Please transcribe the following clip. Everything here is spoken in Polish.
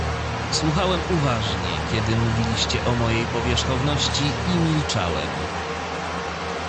"Słuchałem uważnie, kiedy mówiliście o mojej powierzchowności, i milczałem."